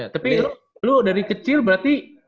tapi lo dari kecil berarti